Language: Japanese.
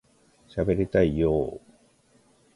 しゃべりたいよ～